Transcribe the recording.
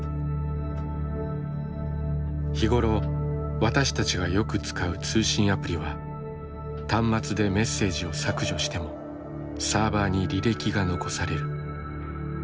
日頃私たちがよく使う通信アプリは端末でメッセージを削除してもサーバーに履歴が残される。